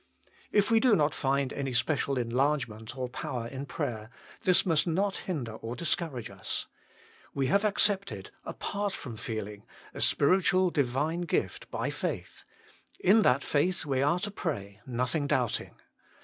If we do not find any special enlargement or power in prayer, this must not hinder or discourage us. We have accepted, apart from feeling, a spiritual Divine gift by faith ; in that faith we are to pray, nothing doubting.